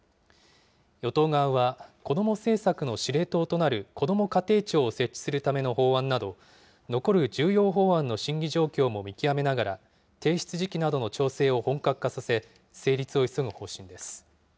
与党側は、子ども政策の司令塔となるこども家庭庁を設置するための法案など、残る重要法案の審議状況も見極めながら、提出時期などの調整を本格化させ、成立を急ぐ方針です。